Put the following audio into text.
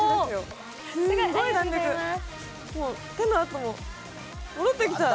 もう手の跡も戻ってきちゃう。